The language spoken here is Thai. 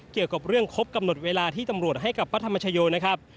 เกี่ยวกับเรื่องครบกำหนดเวลาที่ตำรวจให้กับพระธรรมชโยนะครับ